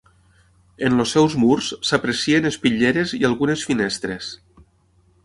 En els seus murs s'aprecien espitlleres i algunes finestres.